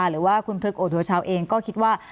หรือว่าคุณพลึกโอโทชาวเองก็คิดว่า